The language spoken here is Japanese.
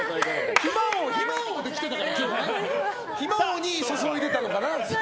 暇王に注いでたのかな。